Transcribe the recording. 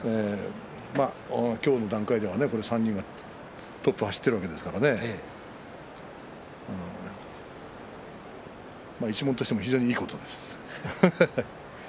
今日の段階は、この３人がトップを走っているわけですから一門としても非常にいいことです。